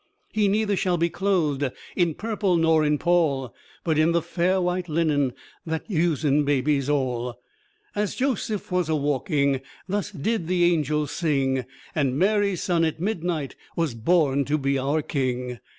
"He neither shall be clothèd In purple nor in pall, But in the fair white linen That usen babies all." As Joseph was a walking, Thus did the angel sing, And Mary's son at midnight Was born to be our King.